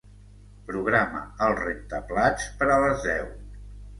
Programa el rentaplats per a les deu.